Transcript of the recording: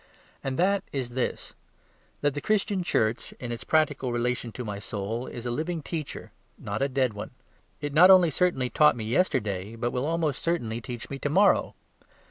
And that is this: that the Christian Church in its practical relation to my soul is a living teacher, not a dead one. It not only certainly taught me yesterday, but will almost certainly teach me to morrow.